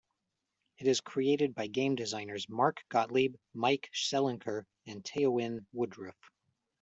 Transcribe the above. It is created by game designers Mark Gottlieb, Mike Selinker, and Teeuwynn Woodruff.